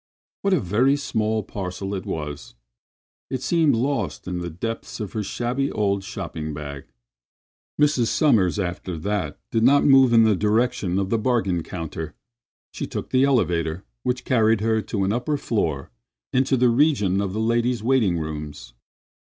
What a very small parcel it was! It seemed lost in the depths of her shabby old shopping bag. Mrs. Sommers after that did not move in the direction of the bargain counter. She took the elevator, which carried her to an upper floor into the region of the ladies' waiting rooms.